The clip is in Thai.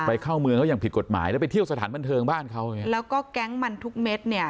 เข้าเมืองเขาอย่างผิดกฎหมายแล้วไปเที่ยวสถานบันเทิงบ้านเขาไงแล้วก็แก๊งมันทุกเม็ดเนี่ย